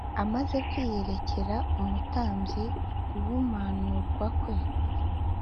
amaze kwiyerekera umutambyi guhumanurwa kwe